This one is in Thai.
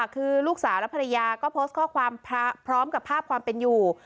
คือลูกสาวและภรรยาก็โพสต์ข้อความพร้อมกับภาพความเป็นอยู่